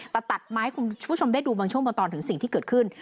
แต่ตัดไม้ให้คุณผู้ชมได้ดูบางช่วงบางตอนถึงสิ่งที่เกิดขึ้น